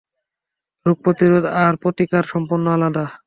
রোগ প্রতিরোধ আর প্রতিকার সম্পূর্ণ আলাদা।